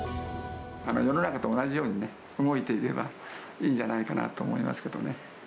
世の中と同じようにね、動いていればいいんじゃないかなと思いますけどね。